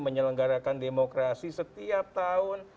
menyelenggarakan demokrasi setiap tahun